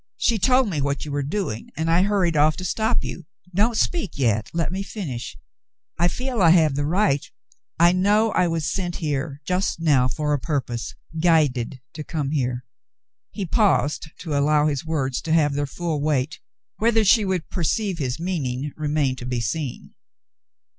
She told me what you were doing, and I hurried off to stop you. Don't speak yet, let me finish. I feel I have the right, because I know — I know I was sent here just now for a purpose — guided to come here." ^ He paused to allow his words to have their full weight. Whether she would perceive his meaning remained to be seen.